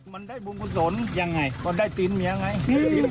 มันได้บุญคุณสนยังไงมันได้ตินเมียไง